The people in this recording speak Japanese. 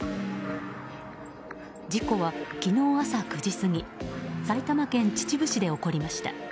事故は昨日朝９時過ぎ埼玉県秩父市で起きました。